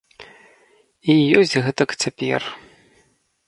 І ёсць гэтак цяпер.